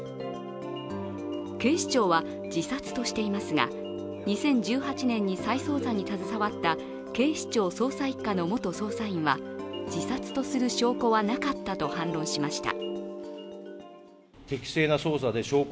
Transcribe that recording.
警視庁は自殺としていますが、２０１８年に再捜査に携わった警視庁捜査一課の元捜査員は自殺とする証拠はなかったと反論しました。